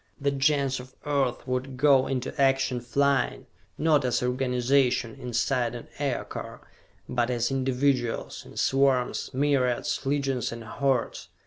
The Gens of Earth would go into action flying, not as organizations, inside an Aircar, but as individuals, in swarms, myriads, legions and hordes.